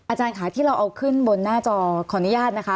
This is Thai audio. อาจารย์ค่ะที่เราเอาขึ้นบนหน้าจอขออนุญาตนะคะ